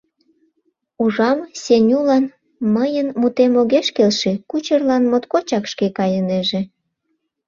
Ужам: Сенюлан мыйын мутем огеш келше, кучерлан моткочак шке кайынеже.